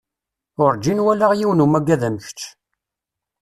Urǧin walaɣ yiwen umagad am kečč.